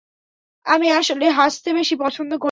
আমি আসলে হাসতে বেশি পছন্দ করি না।